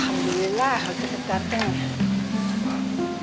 alhamdulillah kita dateng